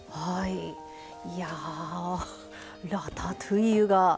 いやラタトゥイユがうま